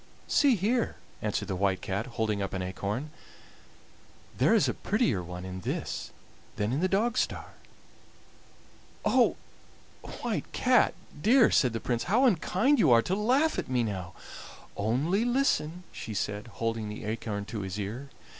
"See here," answered the White Cat, holding up an acorn; "there is a prettier one in this than in the Dogstar!" "Oh! White Cat dear," said the Prince, "how unkind you are to laugh at me now!" "Only listen," she said, holding the acorn to his ear.